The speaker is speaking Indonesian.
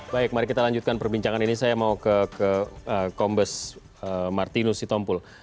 baik mari kita lanjutkan perbincangan ini saya mau ke kombes martinus sitompul